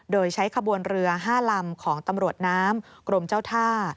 โดยใช้ขบวนเรือ๕ลำของตำรวจน้ำกรมเจ้าท่า